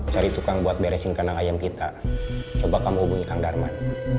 cari tukang buat beresin kandang ayam kita coba kamu hubungi kang darman